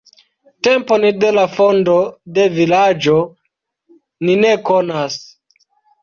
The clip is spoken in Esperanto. Tempon de la fondo de vilaĝo ni ne konas.